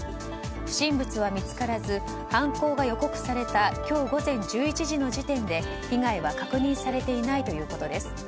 不審物は見つからず犯行が予告された今日午前１１時の時点で被害は確認されていないということです。